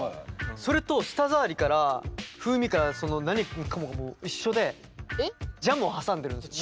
それと舌触りから風味からその何もかもがもう一緒でジャムを挟んでるんですよ。